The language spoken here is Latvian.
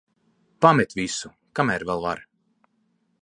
Pamet visu, kamēr vēl var.